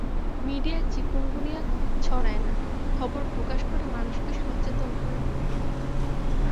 Media chikungunya ছড়ায় না, খবর প্রকাশ করে মানুষকে সচেতন করে মাত্র।